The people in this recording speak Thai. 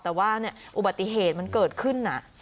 แต่ว่าอุบัติเหตุมันเกิดขึ้น